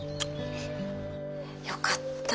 ☎よかった。